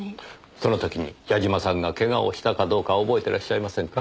その時に矢嶋さんが怪我をしたかどうか覚えていらっしゃいませんか？